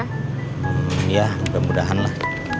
ya mudah mudahan lah